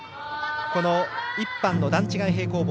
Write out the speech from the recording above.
１班の段違い平行棒